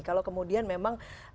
kalau kemudian memang